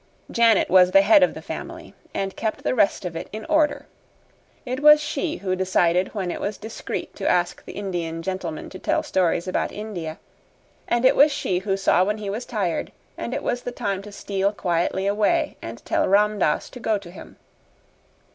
Janet was the head of the family, and kept the rest of it in order. It was she who decided when it was discreet to ask the Indian gentleman to tell stories about India, and it was she who saw when he was tired and it was the time to steal quietly away and tell Ram Dass to go to him.